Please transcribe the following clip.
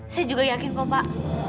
saya juga yakin kok pak